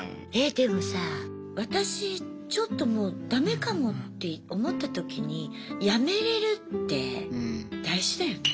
でもさ私ちょっともうダメかもって思った時に辞めれるって大事だよね。